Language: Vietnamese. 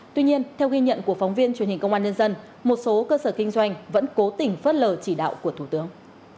tuy nhiên theo ghi nhận của phóng viên truyền hình công an nhân dân một số cơ sở kinh doanh vẫn cố tình phớt lờ chỉ đạo của thủ tướng